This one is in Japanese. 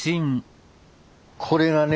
これがね